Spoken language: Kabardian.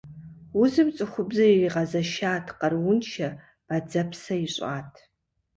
Узым цӏыхубзыр иригъэзэшат, къарууншэ, бадзэпсэ ищӏат.